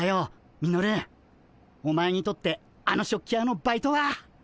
ミノルお前にとってあの食器屋のバイトは。